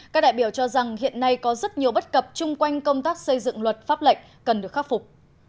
các đại biểu cho rằng hiện nay có rất nhiều bất cập chung quanh công tác xây dựng luật pháp lệnh cần được khắc phục